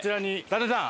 伊達さん！